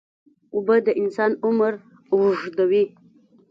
اوبه د انسان عمر اوږدوي.